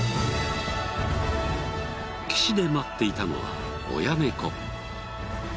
岸で待っていたのは親猫。